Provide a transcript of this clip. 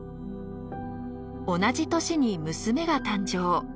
同じ年に娘が誕生。